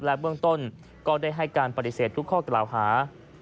และเบื้องต้นก็ได้ให้การปฏิเสธทุกข้อกล่าวหา